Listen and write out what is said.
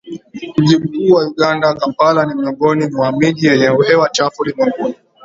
Mji mkuu wa Uganda, Kampala ni miongoni mwa miji yenye hewa chafu ulimwenguni